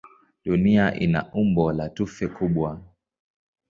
Dunia ina umbo la tufe kubwa.